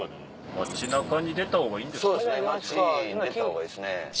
街に出たほうがいいですね。